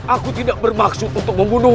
aku tidak bermaksud untuk membunuh